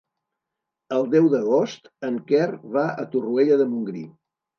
El deu d'agost en Quer va a Torroella de Montgrí.